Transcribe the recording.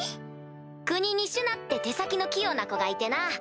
国にシュナって手先の器用な子がいてな。